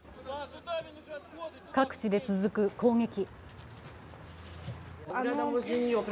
各地で続く攻撃。